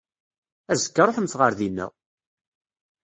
Azekka ruḥemt ar dina!